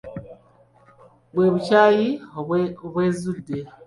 Bwe bukyayi obwezudde.